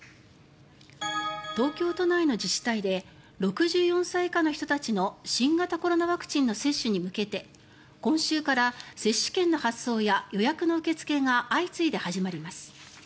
東京都内の自治体で６４歳以下の人たちの新型コロナワクチンの接種に向けて今週から接種券の発送や予約の受け付けが相次いで始まります。